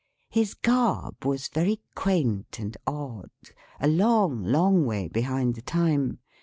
His garb was very quaint and odd a long, long way behind the time.